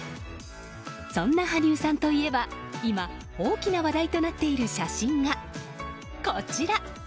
そんな羽生さんといえば今、大きな話題となっている写真がこちら。